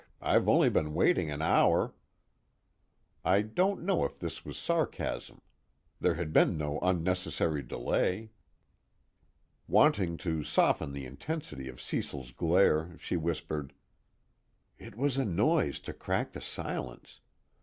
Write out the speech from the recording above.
I've only been waiting an hour.' I don't know if this was sarcasm. There had been no unnecessary delay." Wanting to soften the intensity of Cecil's glare, she whispered: "It was a noise to crack the silence.